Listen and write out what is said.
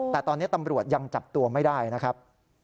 แต่ตอนนี้ตำรวจยังจับตัวไม่ได้นะครับ